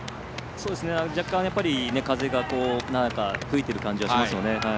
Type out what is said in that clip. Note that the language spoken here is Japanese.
若干、風が吹いている感じがします。